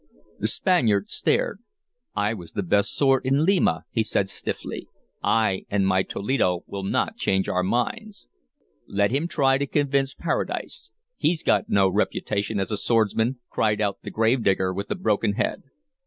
The Spaniard stared. "I was the best sword in Lima," he said stiffly. "I and my Toledo will not change our minds." "Let him try to convince Paradise; he's got no reputation as a swordsman!" cried out the gravedigger with the broken head.